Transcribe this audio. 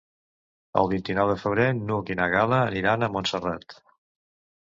El vint-i-nou de febrer n'Hug i na Gal·la aniran a Montserrat.